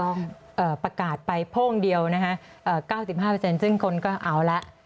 ก่อนที่ประกาศไปโภ่งเดียวนะฮะ๙๕ซึ่งคนก็เอาแล้ว